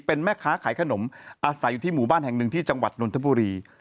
เป็นแม่ค้าขายขนมอาศัยอยู่ที่หมู่บ้านแห่งหนึ่งที่จังหวัดนนทบุรี